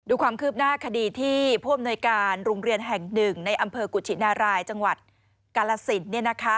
ความคืบหน้าคดีที่ผู้อำนวยการโรงเรียนแห่งหนึ่งในอำเภอกุชินารายจังหวัดกาลสิน